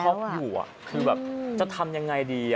คือน้องชอบอยู่ก็คือแบบจะทำยังไงดี